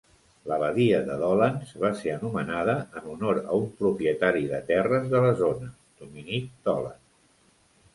La badia de Dolans va ser anomenada en honor a un propietari de terres de la zona, Dominick Dolan.